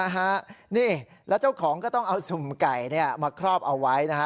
นี่แล้วเจ้าของก็ต้องเอาสุ่มไก่มาครอบเอาไว้นะฮะ